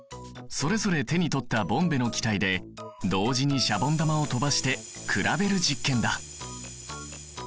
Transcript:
それぞれ手に取ったボンベの気体で同時にシャボン玉を飛ばして比べる実験だ！